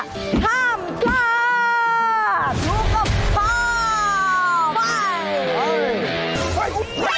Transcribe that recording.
แค่นี้เลย